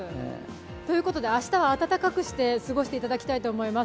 明日は温かくして過ごしていただきたいと思います。